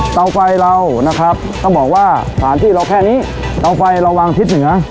เตาไฟเรานะครับต้องบอกว่าสถานที่เราแค่นี้เตาไฟระวังทิศเหนือ